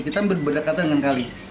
kita berdekatan dengan kali